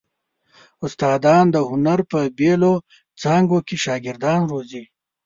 استادان د هنر په بېلو څانګو کې شاګردان روزي.